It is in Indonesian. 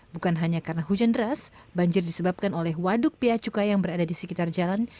bukan hanya karena hujan deras banjir disebabkan oleh waduk pia cukai yang berada di sekitar jalan